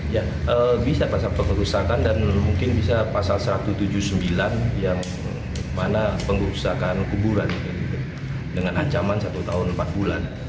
jadi bisa pasal pengurusakan dan mungkin bisa pasal satu ratus tujuh puluh sembilan yang mana pengurusakan kuburan dengan ancaman satu tahun empat bulan